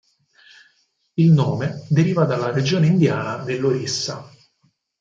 Il nome deriva dalla regione indiana dell'Orissa.